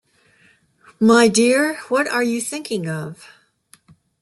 My dear, what are you thinking of?